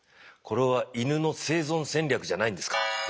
これはイヌの生存戦略じゃないんですか？